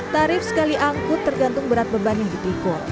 tarif sekali angkut tergantung berat beban yang dipikul